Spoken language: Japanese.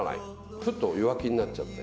ふと弱気になっちゃって。